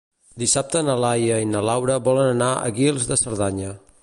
Dissabte na Laia i na Laura volen anar a Guils de Cerdanya.